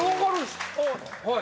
はい。